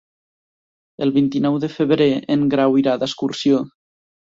El vint-i-nou de febrer en Grau irà d'excursió.